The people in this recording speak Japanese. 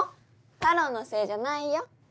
たろーのせいじゃないよ。